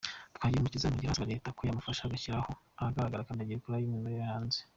Twagirumukiza anongeraho asaba Leta ko yamufasha agashyira ahagaragara “Kandagira Ukarabe” y’umwimerere yahanze.